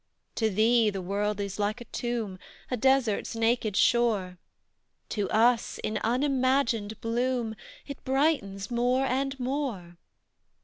"To thee the world is like a tomb, A desert's naked shore; To us, in unimagined bloom, It brightens more and more!